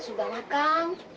ya sudah lah kang